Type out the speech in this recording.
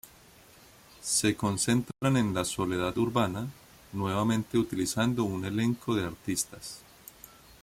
Se concentra en la soledad urbana, nuevamente utilizando un elenco de artistas.